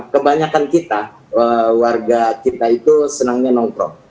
kebanyakan kita warga kita itu senangnya nongkrong